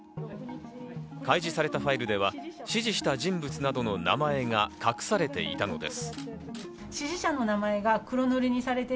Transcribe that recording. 開示されたファイルでは指示した人物などの名前が隠されていたのです。